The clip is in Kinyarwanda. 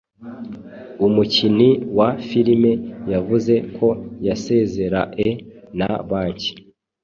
Umukini wa filime yavuze ko yasezerae na banki.